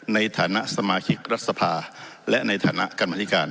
ในฐานะสมาชิกรัฐสภาและในฐานะกรรมธิการ